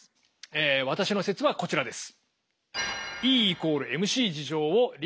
え私の説はこちらです。